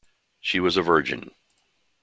She was a virgin.